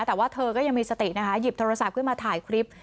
แต่ว่าเธอก็ยังมีสตินะคะหยิบโทรศัพท์ขึ้นมาถ่ายคลิป